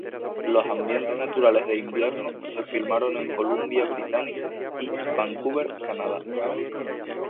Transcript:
Los ambientes naturales de invierno se filmaron en la Columbia Británica y Vancouver, Canadá.